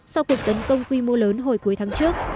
sau cuộc tấn công quy mô lớn hồi cuối tháng trước